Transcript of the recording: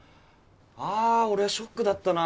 あ俺はショックだったな。